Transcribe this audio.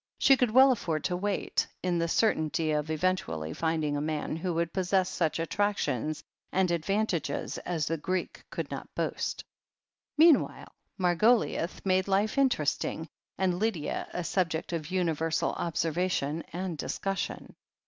She could well afford to wait, in the certainty of eventually finding a man who would possess such attractions and advantages as the Greek could not boast. Meanwhile, Margoliouth made life interesting, and Lydia a subject of universal observation and discus sion.